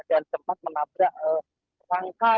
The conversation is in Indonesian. dan sempat menabrak truk trailer di bawah